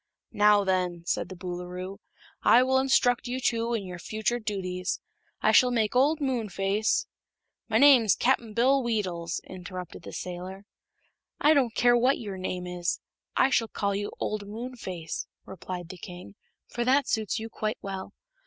"Now, then," said the Boolooroo, "I will instruct you two in your future duties. I shall make old Moonface " "My name's Cap'n Bill Weedles," interrupted the sailor. "I don't care what your name is; I shall call you old Moonface," replied the king, "for that suits you quite well.